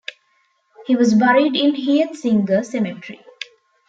He was buried in Hietzinger cemetery.